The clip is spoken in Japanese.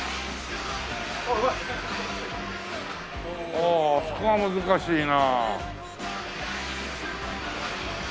あああそこが難しいな。